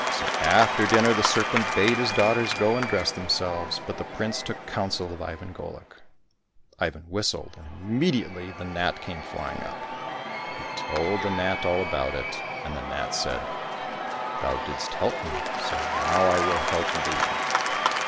So after dinner the serpent bade his daughters go and dress themselves, but the prince took counsel of Ivan Golik. Ivan whistled, and immediately the gnat came flying up. He told the gnat all about it, and the gnat said, *' Thou didst help me, so now I will help thee.